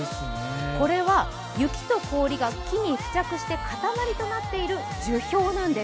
これは雪と氷が木に付着して塊となっている樹氷なんです。